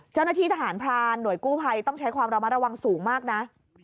เจ้าหน้าที่ทหารพรานหน่วยกู้ภัยต้องใช้ความระมัดระวังสูงมากนะ